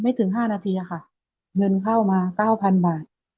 ถึง๕นาทีค่ะเงินเข้ามา๙๐๐บาท